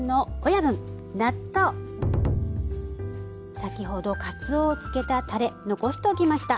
先ほどかつおをつけたたれ残しておきました。